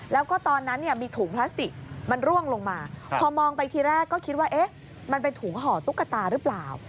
แล้วก็ตอนนั้นเนี่ยมีถุงพลาสติกมันร่วงลงมาพอมองไปทีแรกก็คิดว่าเอ๊ะมันเป็นถุงห่อตุ๊กตาหรือเปล่า